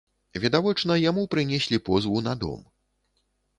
Відавочна, яму прынеслі позву на дом.